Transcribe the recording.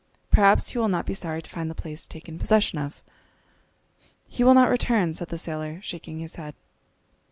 perhaps he will not be sorry to find the place taken possession of." "He will not return," said the sailor, shaking his head.